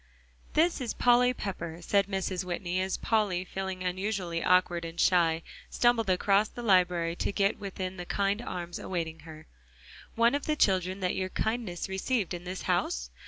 "This is Polly Pepper," said Mrs. Whitney, as Polly, feeling unusually awkward and shy, stumbled across the library to get within the kind arms awaiting her. "One of the children that your kindness received in this house?"